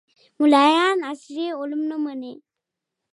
ملایان عصري علوم نه مني